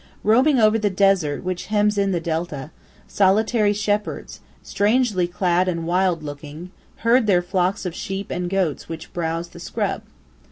Roaming over the desert which hems in the delta, solitary shepherds, strangely clad and wild looking, herd their flocks of sheep and goats which browse upon the scrub.